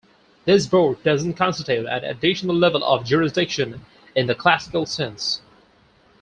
This board does not constitute an additional level of jurisdiction in the classical sense.